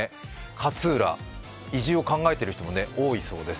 勝浦、移住を考えている人も多いそうです。